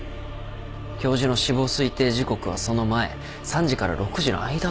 教授の死亡推定時刻はその前３時から６時の間だもん。